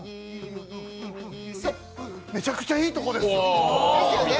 めちゃくちゃいいところです。